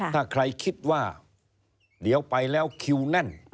ถ้าใครคิดว่าเดี๋ยวไปแล้วคิวแน่น